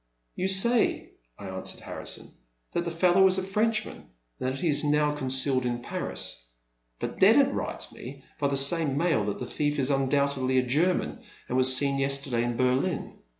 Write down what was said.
You say," I answered Harrison, that the fellow is a Frenchman, and that he is now con cealed in Paris ; but Dennet writes me by the same mail that the thief is undoubtedly a German, and was seen yesterday in Berlin.